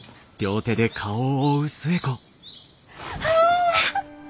ああ！